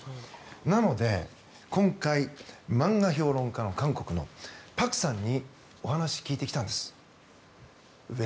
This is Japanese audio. なので、今回漫画評論家の韓国のパクさんにお話を聞いてきたんです。